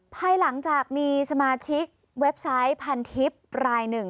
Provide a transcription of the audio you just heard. ภายหลังจากมีสมาชิกเว็บไซต์พันทิพย์รายหนึ่ง